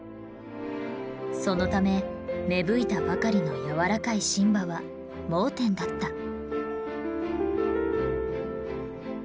そのため芽吹いたばかりの柔らかい新葉は盲点だった。